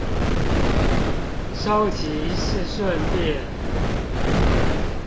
收集是順便